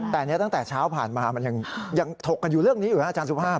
แต่ตั้งแต่เช้าผ่านมามันยังถกกันอยู่เรื่องนี้อยู่นะอาจารย์สุภาพ